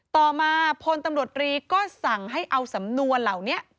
ต่อมาพลตำรวจรีก็สั่งให้เอาสำนวนเหล่านี้